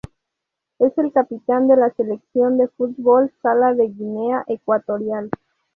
Es el capitán de la selección de fútbol sala de Guinea Ecuatorial.